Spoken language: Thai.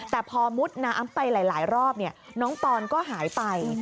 แต่พอมุดน้ำไปหลายรอบน้องปอนก็หายไป